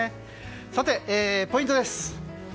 さて、ポイントです。